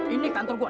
ini kantor gue